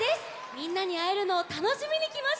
みんなにあえるのをたのしみにきました。